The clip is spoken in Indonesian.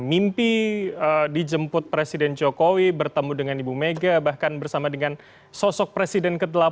mimpi dijemput presiden jokowi bertemu dengan ibu mega bahkan bersama dengan sosok presiden ke delapan